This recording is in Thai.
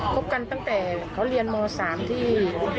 คบกันตั้งแต่เขาเรียนม๓ที่